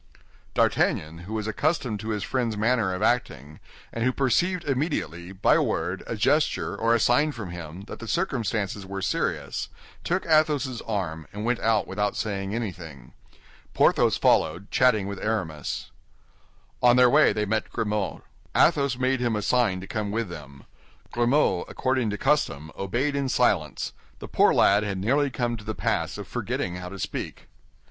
D'Artagnan, who was accustomed to his friend's manner of acting, and who perceived immediately, by a word, a gesture, or a sign from him, that the circumstances were serious, took Athos's arm, and went out without saying anything. Porthos followed, chatting with Aramis. On their way they met Grimaud. Athos made him a sign to come with them. Grimaud, according to custom, obeyed in silence; the poor lad had nearly come to the pass of forgetting how to speak.